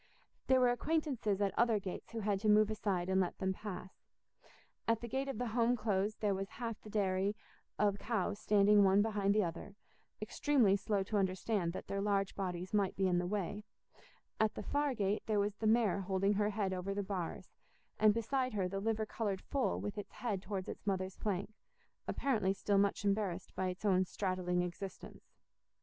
There were acquaintances at other gates who had to move aside and let them pass: at the gate of the Home Close there was half the dairy of cows standing one behind the other, extremely slow to understand that their large bodies might be in the way; at the far gate there was the mare holding her head over the bars, and beside her the liver coloured foal with its head towards its mother's flank, apparently still much embarrassed by its own straddling existence.